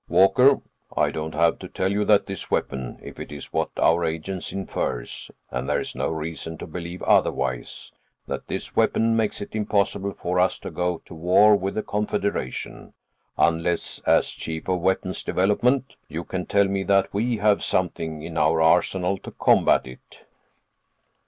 "Walker, I don't have to tell you that this weapon, if it is what our agent infers—and there is no reason to believe otherwise—that this weapon makes it impossible for us to go to war with the Confederation—unless, as Chief of Weapons Development, you can tell me that we have something in our arsenal to combat it."